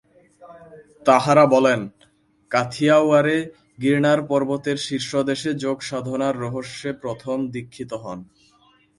তাঁহারা বলেন, কাথিয়াওয়াড়ে গিরনার পর্বতের শীর্ষদেশে যোগসাধনার রহস্যে প্রথম দীক্ষিত হন।